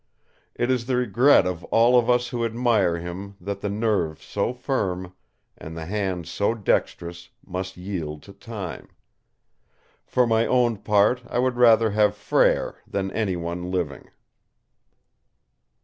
It is the regret of all of us who admire him that the nerve so firm and the hand so dexterous must yield to time. For my own part I would rather have Frere than any one living."